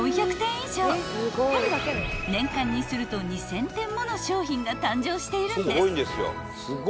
［年間にすると２，０００点もの商品が誕生しているんです］